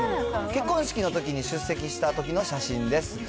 結婚式のときに、出席したときの写真です。